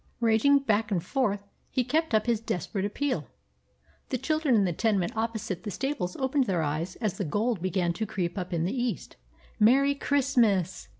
Raging back and forth he kept up his desperate appeal. The children in the tenement opposite the stables opened their eyes as the gold began to creep up in the east. "Merry Christmas!"